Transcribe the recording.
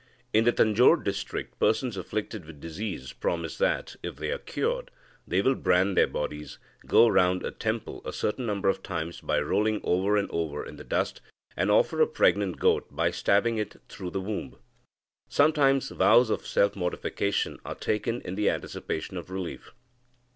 In the Tanjore district, persons afflicted with disease promise that, if they are cured, they will brand their bodies, go round a temple a certain number of times by rolling over and over in the dust, and offer a pregnant goat by stabbing it through the womb. Sometimes vows of self mortification are taken in anticipation of relief.